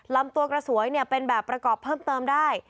ลำตัวกระสวยเป็นแบบประกอบเพิ่มเติมได้